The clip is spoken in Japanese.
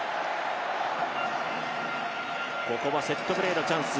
ここはセットプレーのチャンス